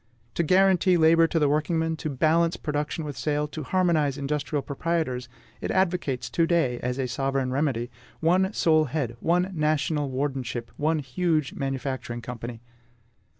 To guarantee labor to the workingman, to balance production with sale, to harmonize industrial proprietors, it advocates to day as a sovereign remedy one sole head, one national wardenship, one huge manufacturing company.